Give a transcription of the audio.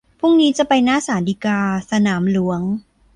พรุ่งนี้จะไปหน้าศาลฎีกา สนามหลวง